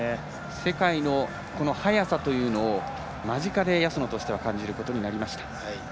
世界の速さというのを間近で安野としては感じることになりました。